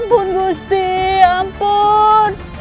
ampun gusti ampun